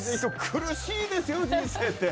苦しいですよ、人生って。